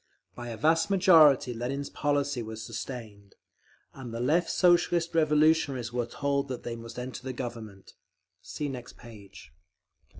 By a vast majority Lenin's policy was sustained, and the Left Socialist Revolutionaries were told that they must enter the government…. _See next page.